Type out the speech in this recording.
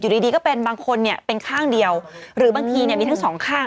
ดีดีก็เป็นบางคนเนี่ยเป็นข้างเดียวหรือบางทีเนี่ยมีทั้งสองข้าง